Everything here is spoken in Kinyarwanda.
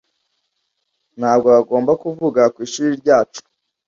Ntabwo bagombaga kuvuga ku ishuri ryacu.